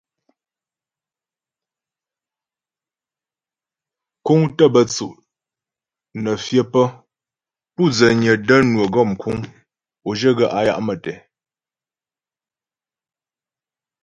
Kúŋ tə́ bə́ tsʉ' nə́ fyə pə́ pu' dzənyə də́ nwə gɔ mkuŋ o zhyə gaə́ á ya' mətɛ.